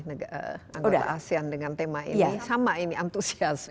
anggota asean dengan tema ini sama ini antusiasme